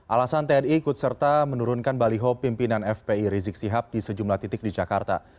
alasan tni ikut serta menurunkan baliho pimpinan fpi rizik sihab di sejumlah titik di jakarta